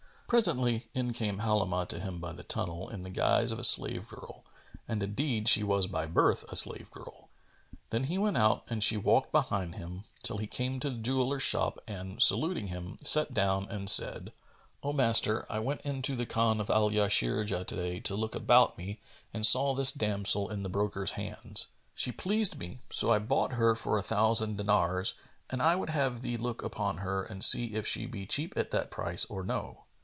Presently, in came Halimah to him by the tunnel, in the guise of a slave girl, and indeed she was by birth a slave girl.[FN#429] Then he went out and she walked behind him, till he came to the jeweller's shop and saluting him, sat down and said, "O master, I went into the Khan of Al Yasirjiyah to day, to look about me, and saw this damsel in the broker's hands. She pleased me; so I bought her for a thousand dinars and I would have thee look upon her and see if she be cheap at that price or no."